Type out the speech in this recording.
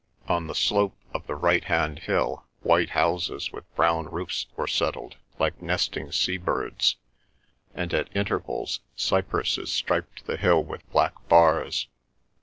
On the slope of the right hand hill white houses with brown roofs were settled, like nesting sea birds, and at intervals cypresses striped the hill with black bars.